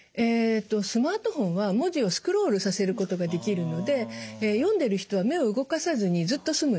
スマートフォンは文字をスクロールさせることができるので読んでる人は目を動かさずにずっと済むんですね。